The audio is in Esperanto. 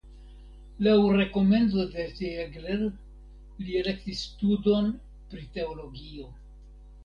Laŭ rekomendo de Ziegler li elektis studon pri teologio.